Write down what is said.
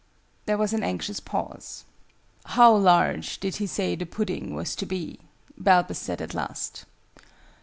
There was an anxious pause. "How large did he say the pudding was to be?" Balbus said at last.